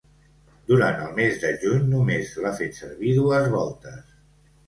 Durant el mes de juny només l’ha fet servir dues voltes.